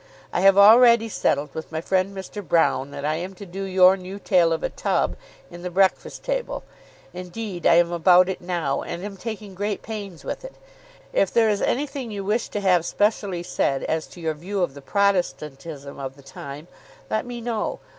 I have already settled with my friend Mr. Broune that I am to do your "New Tale of a Tub" in the "Breakfast Table." Indeed, I am about it now, and am taking great pains with it. If there is anything you wish to have specially said as to your view of the Protestantism of the time, let me know.